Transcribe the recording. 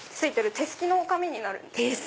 手すきの紙になるんです。